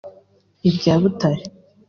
ibya Butare